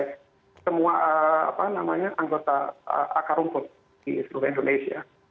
apakah sudah mengakomodasi semua anggota akar rumput di seluruh indonesia